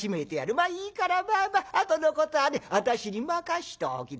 まあいいからあとのことはね私に任しておきな」。